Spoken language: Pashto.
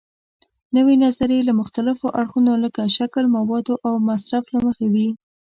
نوې نظریې له مختلفو اړخونو لکه شکل، موادو او مصرف له مخې وي.